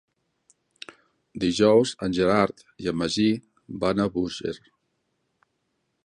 Dijous en Gerard i en Magí van a Búger.